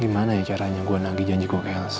gimana ya caranya gue nagih janji gue ke elsa